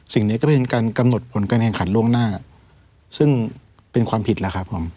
สิ่งนี้ก็เป็นการกำหนดผลการแข่งขันล่วงหน้าซึ่งเป็นความผิดแล้วครับผม